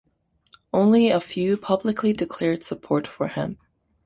Only a few publicly declared support for him.